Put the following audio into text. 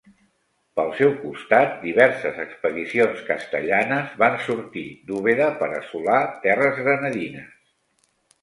Pel seu costat diverses expedicions castellanes van sortir d'Úbeda per assolar terres granadines.